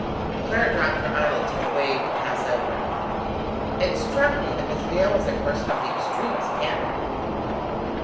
Clara dropped her eyelids for the wave to pass over. "It struck me that Miss Dale was a person of the extremest candour."